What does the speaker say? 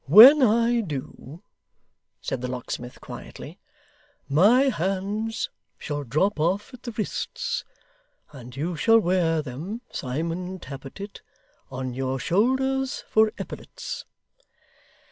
'When I do,' said the locksmith quietly, 'my hands shall drop off at the wrists, and you shall wear them, Simon Tappertit, on your shoulders for epaulettes.